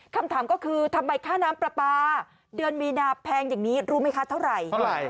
คำถามก็คือทำไมค่าน้ำปลาปลาเดือนมีนาแพงอย่างนี้รู้ไหมคะเท่าไหร่